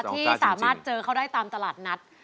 ที่สามารถเจอเขาได้ตามตลาดนัด